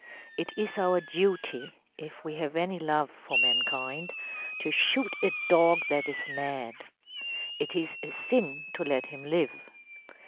It is our duty, if we have any love for mankind, to shoot a dog that is mad. It is a sin to let him live.